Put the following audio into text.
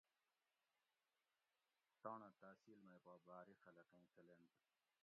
تانڑہ تحصیل مئی پا باری خلقیں چلینت